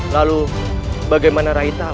lalu bagaimana rai tahu